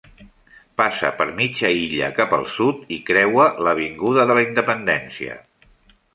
Passa per mitja illa cap al sud i creua l'Avinguda de la Independència.